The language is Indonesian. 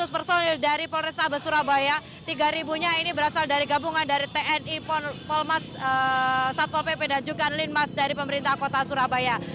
satu tujuh ratus personil dari polres sabah surabaya tiga nya ini berasal dari gabungan dari tni polmas satpol pp dan juga linmas dari pemerintah kota surabaya